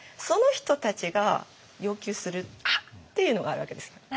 その人たちが要求するっていうのがあるわけですよ。